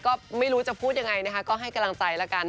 ก็ไม่รู้จะพูดยังไงนะคะก็ให้กำลังใจแล้วกัน